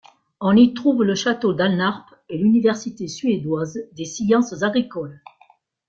On y trouve le château d'Alnarp et l'université suédoise des sciences agricoles.